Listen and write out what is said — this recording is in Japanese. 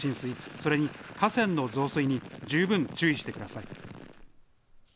それに河川の増水に十分注意してください。